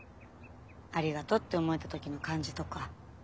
ありがとって思えた時の感じとか。